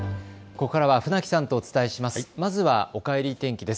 ここからは船木さんとお伝えします。